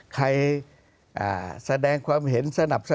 ใครแสดงความเห็นสนับสรรค์